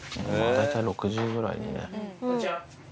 大体６時ぐらいにね。